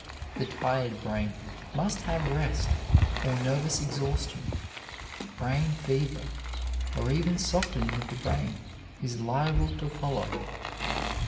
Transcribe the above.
The tired brain must have rest, or nervous exhaustion, brain fever, or even softening of the brain is liable to follow.